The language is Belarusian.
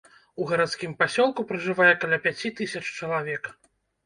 У гарадскім пасёлку пражывае каля пяці тысяч чалавек.